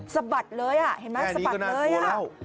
สะบัดเลยเห็นไหมสะบัดเลยแค่นี้ก็น่ากลัวแล้ว